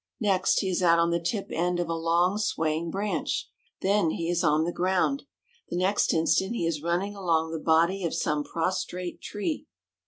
Next, he is out on the tip end of a long, swaying branch. Then he is on the ground. The next instant he is running along the body of some prostrate tree.